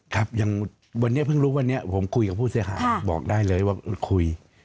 ครับอย่างวันนี้เพิ่งรู้วันนี้ผมคุยกับผู้เสียหายบอกได้เลยว่าคุย